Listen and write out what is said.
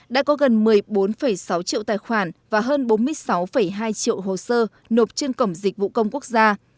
đã có gần một mươi bốn sáu triệu tài khoản và hơn bốn mươi sáu hai triệu hồ sơ nộp trên cổng dịch vụ công quốc gia